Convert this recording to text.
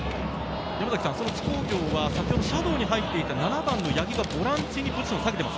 その津工業は先ほどシャドーに入っていた７番・八木がボランチにポジションを下げています。